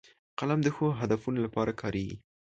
قلم د ښو هدفونو لپاره کارېږي